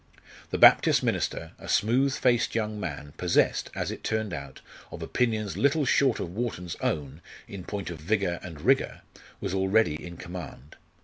The Baptist minister, a smooth faced young man, possessed, as it turned out, of opinions little short of Wharton's own in point of vigour and rigour, was already in command.